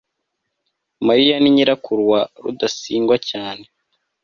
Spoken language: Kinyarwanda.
mariya ni nyirakuru wa rudasingwa cyane